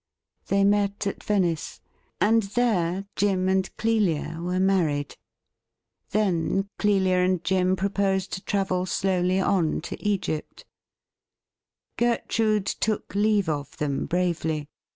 They met at Venice, and there Jim and Clelia were married. ITien Clelia and Jim proposed to travel slowly on to 318 THE RIDDLE RING Egypt. Gertrude took leave of them bravely.